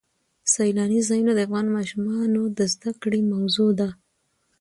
سیلاني ځایونه د افغان ماشومانو د زده کړې موضوع ده.